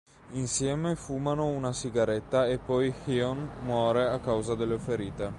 Insieme fumano una sigaretta e poi Hyeon muore a causa delle ferite.